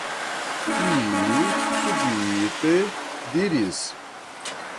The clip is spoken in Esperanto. mi subite diris.